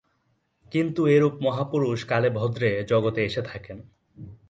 কিন্তু এরূপ মহাপুরুষ কালেভদ্রে জগতে এসে থাকেন।